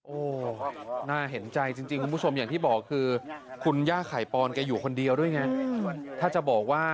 โอ้น่าเห็นใจจริงคุณผู้ชม